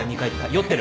酔ってる。